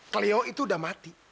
cleo itu udah mati